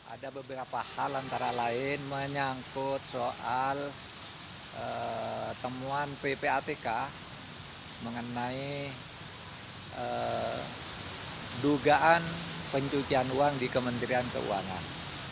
ada beberapa hal antara lain menyangkut soal temuan ppatk mengenai dugaan pencucian uang di kementerian keuangan